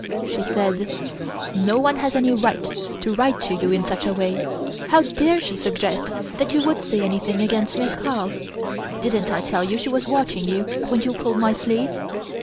She said: "No one has any right to write to you in such a way. How dare she suggest that you would say anything against Miss Carl? Didn't I tell you she was watching you when you pulled my sleeve?